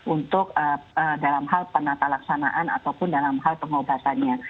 untuk dalam hal penata laksanaan ataupun dalam hal pengobatannya